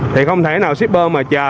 thì không thể nào shipper mà chờ